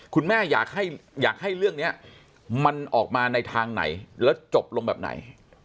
คุณแม่อยากให้เรื่องนี้มันออกมาในทางไหนแล้วจบลงแบบไหน